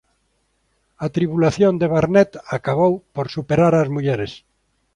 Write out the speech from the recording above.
A tribulación de Barnet acabou por superar as mulleres.